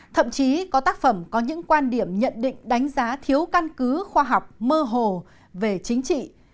thậm chí có tác phẩm có những quan điểm nhận định đánh giá thiếu căn cứ khoa học mơ hồ về chính trị